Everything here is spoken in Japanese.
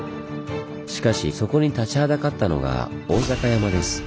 しかしそこに立ちはだかったのが坂山です。